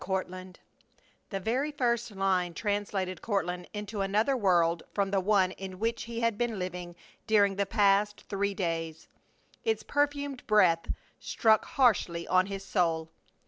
COURTLAND: The very first line translated Courtland into another world from the one in which he had been living during the past three days. Its perfumed breath struck harshly on his soul.